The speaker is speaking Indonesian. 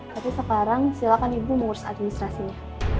tapi sekarang silakan ibu mengurus administrasinya